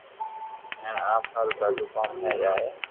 ھين اپ ھارو ڀلو ڪوم ھوئي جائي